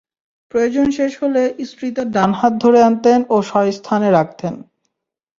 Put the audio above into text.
প্রয়োজন শেষ হলে স্ত্রী তার হাত ধরে আনতেন ও স্ব-স্থানে রাখতেন।